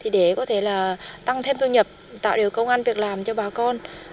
để có thể là tăng thêm thu nhập tạo điều công an việc làm cho bà con